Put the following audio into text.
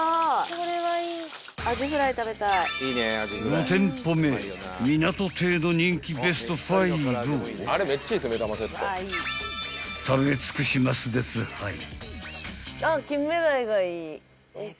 ［５店舗目みなと亭の人気ベスト５を食べ尽くしますですはい］